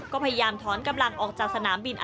ก็พยายามถอนกำลังออกจากสนามบิน